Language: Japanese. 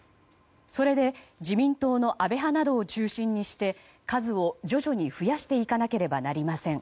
それで、自民党の安倍派などを中心にして数を徐々に増やしていかなければなりません